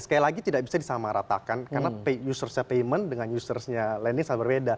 sekali lagi tidak bisa disamaratakan karena user's nya payment dengan user's nya lending sangat berbeda